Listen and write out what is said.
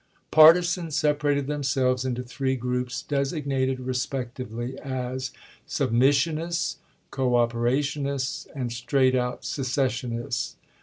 Partisans separated them selves into three groups designated respectively as " submissionists," " cooperationists," and " straight out secessionists."